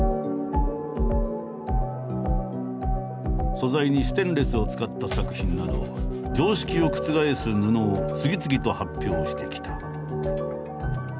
素材にステンレスを使った作品など常識を覆す布を次々と発表してきた。